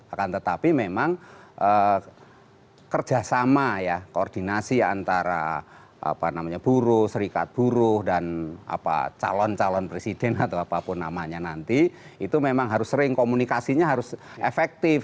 akan tetapi memang kerjasama ya koordinasi antara buruh serikat buruh dan calon calon presiden atau apapun namanya nanti itu memang harus sering komunikasinya harus efektif